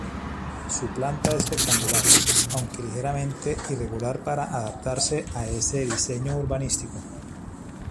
Su planta es rectangular, aunque ligeramente irregular para adaptarse a ese diseño urbanístico.